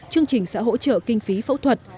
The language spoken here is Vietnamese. chương trình sẽ hỗ trợ kinh phí phẫu thuật